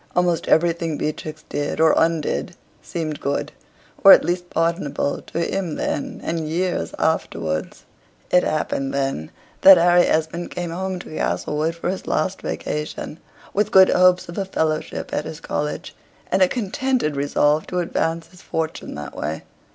Almost everything Beatrix did or undid seemed good, or at least pardonable, to him then, and years afterwards. It happened, then, that Harry Esmond came home to Castlewood for his last vacation, with good hopes of a fellowship at his college, and a contented resolve to advance his fortune that way.